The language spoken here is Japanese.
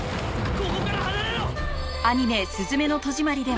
ここから離れろ！